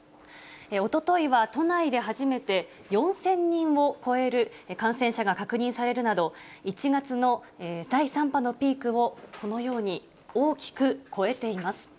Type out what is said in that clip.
おとといは都内で初めて、４０００人を超える感染者が確認されるなど、１月の第３波のピークを、このように大きく超えています。